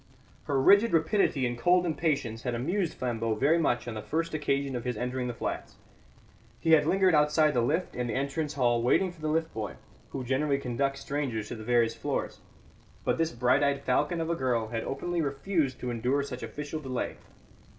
Her rigid rapidity and cold impatience had amused Flambeau very much on the first occasion of his entering the flats. He had lingered outside the lift in the entrance hall waiting for the lift boy, who generally conducts strangers to the various floors. But this bright eyed falcon of a girl had openly refused to endure such official delay.